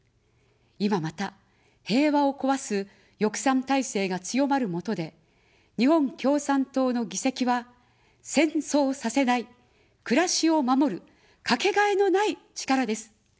いままた、平和を壊す翼賛体制が強まるもとで、日本共産党の議席は、戦争させない、暮らしを守る、かけがえのない力です。